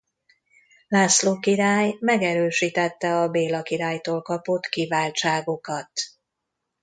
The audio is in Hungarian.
László király megerősítette a Béla királytól kapott kiváltságokat.